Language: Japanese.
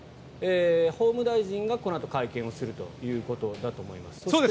法務大臣がこのあと会見をするということだと思います。